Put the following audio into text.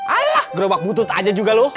alah gerobak butut aja juga loh